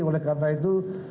oleh karena itu